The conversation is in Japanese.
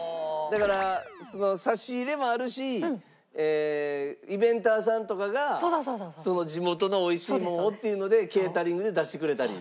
だから差し入れもあるしイベンターさんとかがその地元の美味しいものをっていうのでケータリングで出してくれたり。